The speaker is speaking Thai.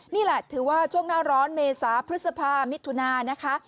นี่แหละถือว่าช่วงหน้าร้อนเมษาพฤษภามิถุนานะคะ